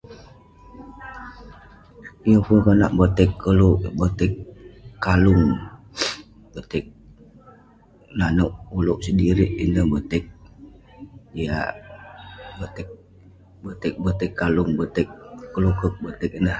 Yeng pun konak boteg koluk kik. Boteg kalung, boteg nanouk ulouk sedirik. Ineh boteg jiak. Boteg, boteg kalung, boteg kelukeg, botah. [unintelligible]